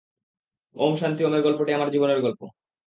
ওম শান্তি ওমের গল্পটি আমার জীবনের গল্প।